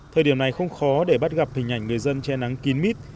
thời điểm này không khó để bắt gặp hình ảnh người dân che nắng kín mít